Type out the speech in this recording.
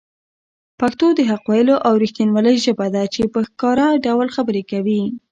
پښتو د حق ویلو او رښتینولۍ ژبه ده چي په ښکاره ډول خبرې کوي.